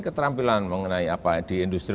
keterampilan mengenai apa di industri